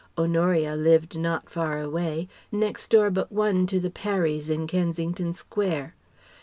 Honoria lived not far away, next door but one to the Parrys in Kensington Square.